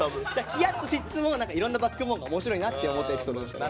ヒヤッとしつつもいろんなバックボーンが面白いなって思ったエピソードでした。